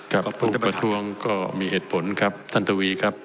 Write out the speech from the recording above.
ผู้ประท้วงก็มีเหตุผลครับท่านทวีครับ